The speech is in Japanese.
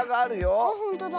あっほんとだ。